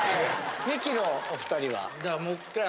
ミキのお２人は？